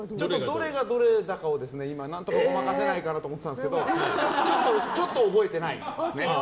どれがどれかを今何とかごまかせないかなと思ってたんですけどちょっと覚えてないですね。